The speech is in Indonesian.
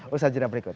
usaha jurnal berikut